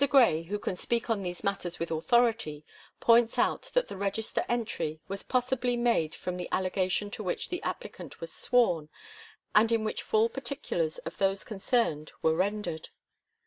Gray, who can speak on these matters* with authority, points out that the register entry was possibly made from the allegation to which the appli cant was sworn, and in which full particulars of those concernd were renderd.